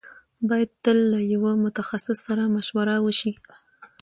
بايد تل له يوه متخصص سره مشوره وشي.